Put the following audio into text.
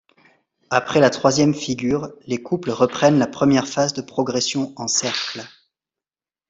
Après la troisième figure, les couples reprennent la première phase de progression en cercle.